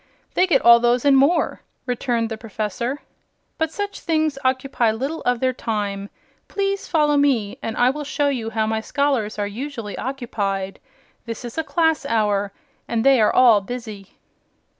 They get all those, and more," returned the Professor. "But such things occupy little of their time. Please follow me and I will show you how my scholars are usually occupied. This is a class hour and they are all busy."